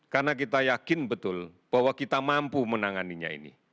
karena kita yakin betul bahwa kita mampu menanganinya ini